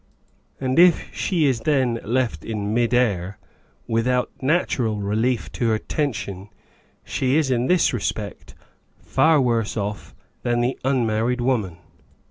And if she is then left in mid air, without natural relief to her tension, she is in this respect far worse off than the unmarried woman.